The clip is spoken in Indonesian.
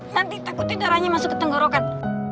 nanti takutin darahnya masuk ke tenggorokan